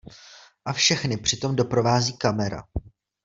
A všechny při tom doprovází kamera...